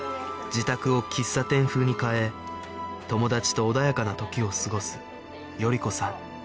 自宅を喫茶店風に変え友達と穏やかな時を過ごす賀子さん